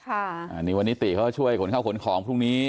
อันนี้วันนี้ติเขาช่วยขนข้าวขนของพรุ่งนี้